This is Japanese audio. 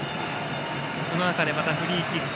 その中で、またフリーキック。